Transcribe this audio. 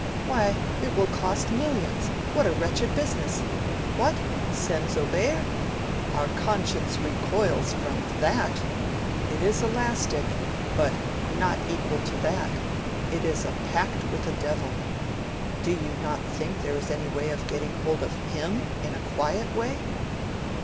Why, it will cost millions, what a wretched business! What! Send Zobeir? Our conscience recoils from THAT; it is elastic, but not equal to that; it is a pact with the Devil.... Do you not think there is any way of getting hold of H I M, in a quiet way?'